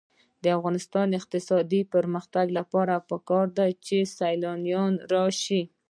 د افغانستان د اقتصادي پرمختګ لپاره پکار ده چې سیلانیان راشي.